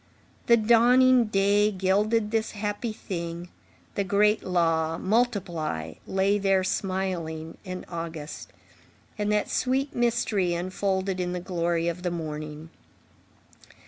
The dawning day gilded this happy thing, the great law, "Multiply," lay there smiling and august, and that sweet mystery unfolded in the glory of the morning.